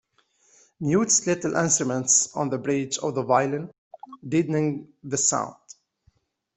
Mutes little instruments on the bridge of the violin, deadening the sound.